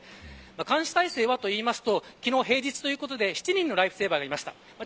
監視体制は、昨日は平日ということもあり７人のライフセーバーがいました。